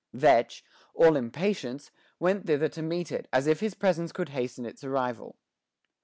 Vetch, all impatience, went thither to meet it, as if his presence could hasten its arrival.